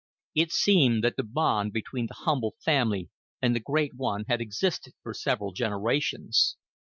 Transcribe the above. '" It seemed that the bond between the humble family and the great one had existed for several generations.